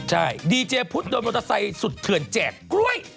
ใช่ดีเจพุทธโดนมอเตอร์ไซค์สุดเถื่อนแจกกล้วย